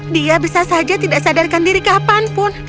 dia bisa saja tidak sadarkan diri kapanpun